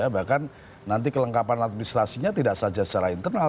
bahkan nanti kelengkapan administrasinya tidak saja secara internal